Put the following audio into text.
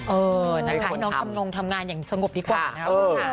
เออทางสายนคำนงทำงานอย่างสงบดีกว่าน่ะครับ